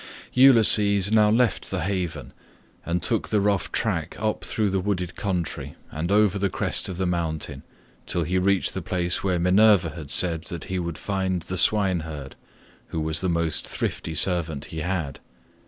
Ulysses now left the haven, and took the rough track up through the wooded country and over the crest of the mountain till he reached the place where Minerva had said that he would find the swineherd, who was the most thrifty servant he had.